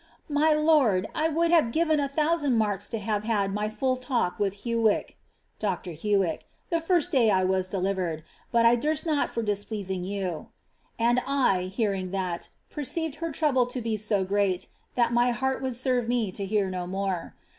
My lord) I would have given a thousand marks to have had my full Ml with Hewyke (Dr. Huick) the first day I was delivered, but 1 durst iiot for displeasing you.' And I, hearing that, perceived her trouble to Se so great, that my heart would serve me to hear no more.